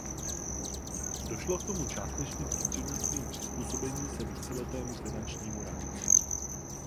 Došlo k tomu částečně prostřednictvím přizpůsobení se víceletému finančnímu rámci.